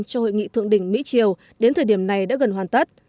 cho hội nghị thượng đỉnh mỹ triều đến thời điểm này đã gần hoàn tất